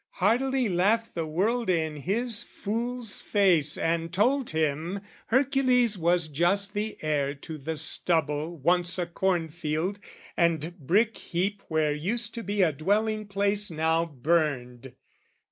Heartily laughed the world in his fool's face And told him Hercules was just the heir To the stubble once a corn field, and brick heap Where used to be a dwelling place now burned.